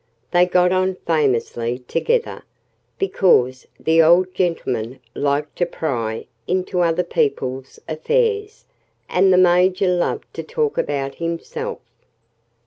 They got on famously together, because the old gentleman liked to pry into other people's affairs and the Major loved to talk about himself.